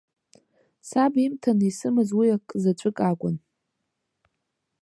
Саб имҭаны исымаз уи акзаҵәык акәын.